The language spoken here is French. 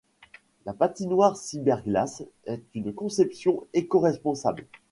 La patinoire CyberGlace est une conception écoresponsable.